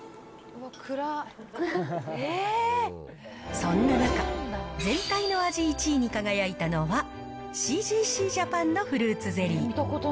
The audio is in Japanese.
そんな中、全体の味１位に輝いたのは、シージーシージャパンのフルーツゼリー。